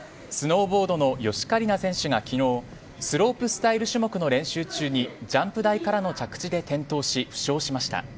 スノーボードの芳家里菜選手が昨日スロープスタイル種目の練習中にジャンプ台からの着地で転倒し負傷しました。